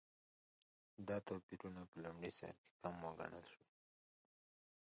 دا توپیرونه په لومړي سرکې کم وګڼل شي.